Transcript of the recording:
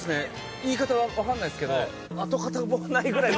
言い方分かんないですけど跡形もないぐらい飲んでますね。